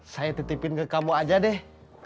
saya titipin ke kamu aja deh